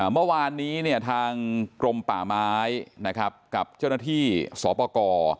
เมื่อวานนี้ทางกรมป่าไม้กับเจ้าหน้าที่สปกร